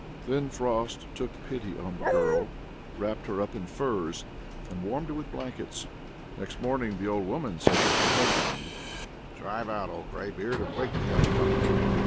Then Frost took pity on the girl, wrapped her up in furs, and warmed her with blankets. Next morning the old woman said to her husband: "Drive out, old greybeard, and wake the young couple!"